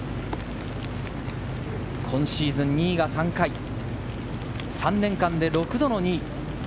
今シーズン２位が３回、３年間で６度の２位。